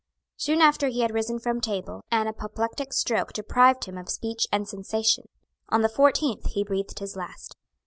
Soon after he had risen from table, an apoplectic stroke deprived him of speech and sensation. On the fourteenth he breathed his last.